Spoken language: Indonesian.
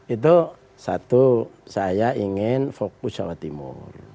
itu satu saya ingin fokus jawa timur